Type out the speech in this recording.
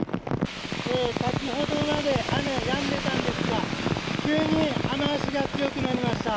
先ほどまで雨、やんでいたんですが急に雨脚が強くなりました。